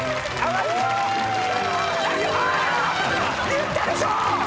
言ったでしょ！